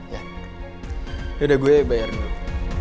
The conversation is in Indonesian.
yaudah gue bayarin dulu